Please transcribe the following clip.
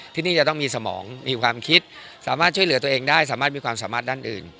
ที่นี่จะต้องมีสมองมีความคิดสามารถช่วยเหลือตัวเองได้สามารถมีความสามารถด้านอื่น